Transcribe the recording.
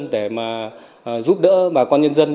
để giúp đỡ bà con nhân dân